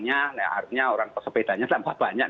nah sepertinya orang pesepedanya tambah banyak